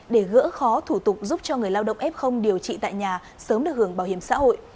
để gỡ khó thủ tục giúp cho người lao động f điều trị tại nhà sớm được hưởng bảo hiểm xã hội